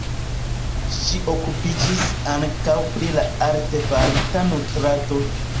Ŝi okupiĝis ankaŭ pri la artefarita nutrado.